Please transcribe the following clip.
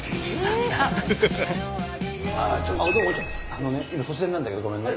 あのね今突然なんだけどごめんね。